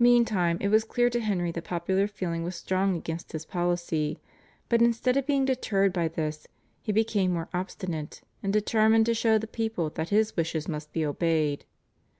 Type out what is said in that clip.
Meantime it was clear to Henry that popular feeling was strong against his policy, but instead of being deterred by this, he became more obstinate and determined to show the people that his wishes must be obeyed.